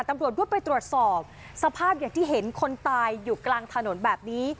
ตำรวจรวดไปตรวจสอบสภาพอย่างที่เห็นคนตายอยู่กลางถนนแบบนี้